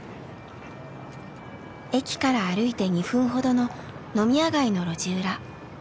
駅から歩いて２分ほどの飲み屋街の路地裏。